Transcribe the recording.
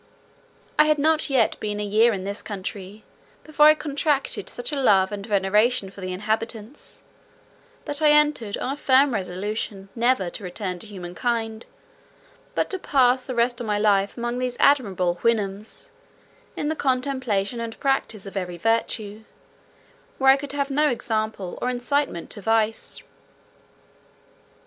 I had not yet been a year in this country before I contracted such a love and veneration for the inhabitants, that I entered on a firm resolution never to return to humankind, but to pass the rest of my life among these admirable Houyhnhnms, in the contemplation and practice of every virtue, where I could have no example or incitement to vice.